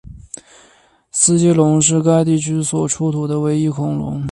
斯基龙是该地区所出土的唯一恐龙。